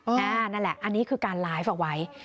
นั่นแหละอันนี้คือการไลฟ์เอาไว้